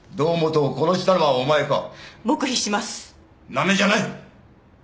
なめんじゃない！